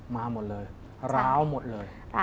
มาหมดเลยร้าวหมดเลย